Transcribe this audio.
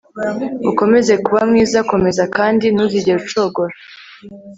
ukomeze kuba mwiza komeza kandi ntuzigere ucogora